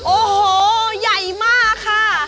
โอ้โหใหญ่มากค่ะ